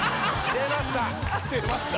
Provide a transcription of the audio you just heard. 出ました